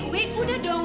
wih wih udah dong